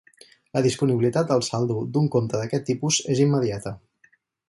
La disponibilitat del saldo d'un compte d'aquest tipus és immediata.